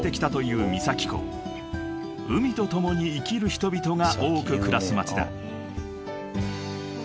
［海と共に生きる人々が多く暮らす町だ］